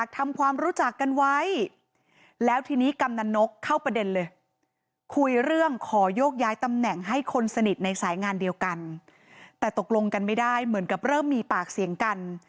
แต่ตกลงกันไม่ได้เหมือนกับเริ่มมีปากเสียงกัน